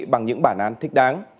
bằng những bản án thích đáng